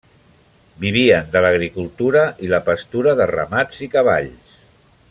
Vivien de l'agricultura i la pastura de ramats i cavalls.